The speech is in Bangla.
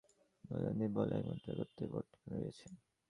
বৈদান্তিক বলেন, একমাত্র একত্বই বর্তমান রহিয়াছে।